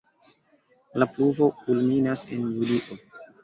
La pluvo kulminas en julio.